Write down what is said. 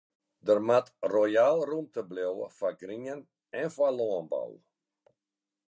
Der moat royaal rûmte bliuwe foar grien en foar lânbou.